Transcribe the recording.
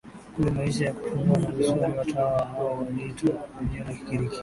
kule maisha ya kufunga na kusali Watawa hao waliitwa kwa jina la Kigiriki